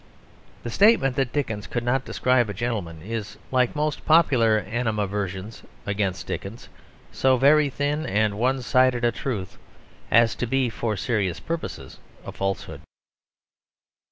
The statement that Dickens could not describe a gentleman is, like most popular animadversions against Dickens, so very thin and one sided a truth as to be for serious purposes a falsehood.